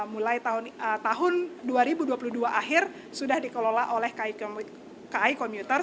mulai tahun dua ribu dua puluh dua akhir sudah dikelola oleh kai komuter